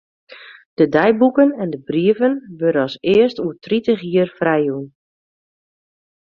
De deiboeken en de brieven wurde earst oer tritich jier frijjûn.